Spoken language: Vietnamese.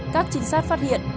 các trinh sát phát hiện